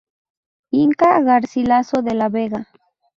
Inca Garcilaso de la Vega.